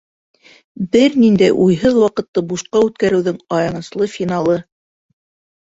Бер ниндәй уйһыҙ ваҡытты бушҡа үткәреүҙең аяныслы финалы.